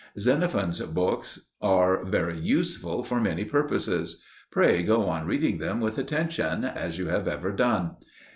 Xenophon's books are very useful for many purposes. Pray go on reading them with attention, as you have ever done.